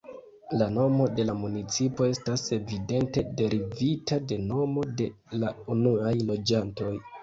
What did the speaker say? La nomo de la municipo estas evidente derivita de nomo de la unuaj loĝantoj.